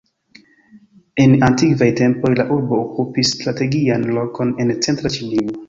En antikvaj tempoj la urbo okupis strategian lokon en centra Ĉinio.